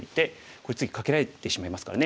これ次カケられてしまいますからね